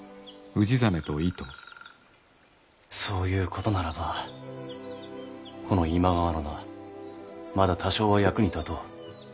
そういうことならばこの今川の名まだ多少は役に立とう。